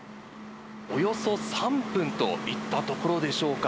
およそ３分といったところでしょうか。